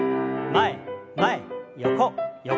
前前横横。